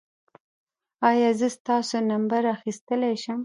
ایا زه ستاسو نمبر اخیستلی شم؟